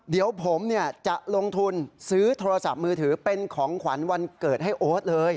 เดี๋ยวผมจะลงทุนซื้อโทรศัพท์มือถือเป็นของขวัญวันเกิดให้โอ๊ตเลย